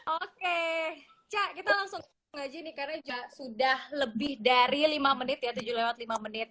oke cak kita langsung ngaji nih karena sudah lebih dari lima menit ya tujuh lewat lima menit